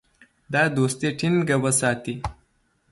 دا دوستي ټینګه وساتي.